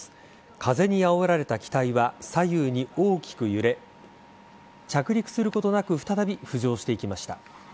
風にあおられた機体は左右に大きく揺れ着陸することなく再び浮上していきました。